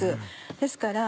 ですから